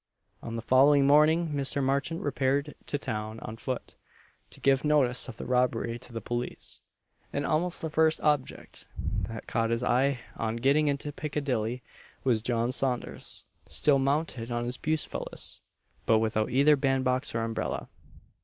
On the following morning Mr. Marchant repaired to town on foot, to give notice of the robbery to the police; and almost the first object that caught his eye, on getting into Piccadilly, was John Saunders still mounted on his Bucephalus, but without either band box or umbrella.